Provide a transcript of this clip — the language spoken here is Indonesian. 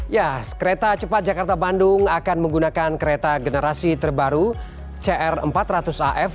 ya kereta cepat jakarta bandung akan menggunakan kereta generasi terbaru cr empat ratus af